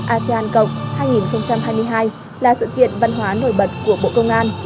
nhạc hội cảnh sát các nước asean cộng hai nghìn hai mươi hai là sự kiện văn hóa nổi bật của bộ công an